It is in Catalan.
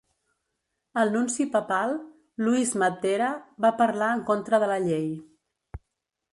El nunci papal, Luis Mattera, va parlar en contra de la llei.